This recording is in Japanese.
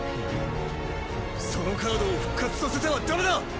そのカードを復活させてはダメだ！